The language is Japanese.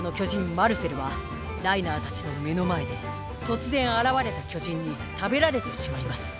マルセルはライナーたちの目の前で突然現れた巨人に食べられてしまいます